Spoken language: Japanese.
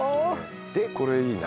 これいいな。